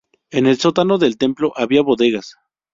En el sótano del templo había bodegas.